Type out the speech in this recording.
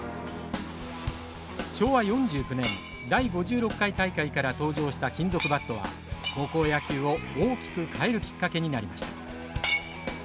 昭和４９年第５６回大会から登場した金属バットは高校野球を大きく変えるきっかけになりました。